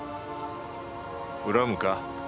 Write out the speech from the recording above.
恨むか？